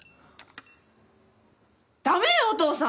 ダメよお父さん！